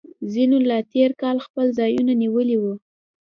ځینو لا تیر کال خپل ځایونه نیولي وي